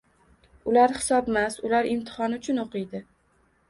Ular hisobmas, ular imtihon uchun o’qiydi.